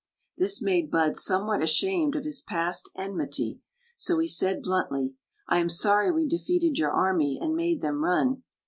This made Bud somewhat ashamed of his past en mity; so he said blundy: I am sorry wc d^eated your army and made them run."